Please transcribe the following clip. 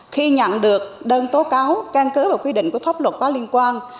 khi nhận được đơn tố cáo can cứ và quy định của pháp luật có liên quan